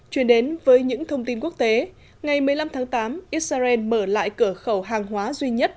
truyền đến với những thông tin quốc tế ngày một mươi năm tháng tám israel mở lại cửa khẩu hàng hóa duy nhất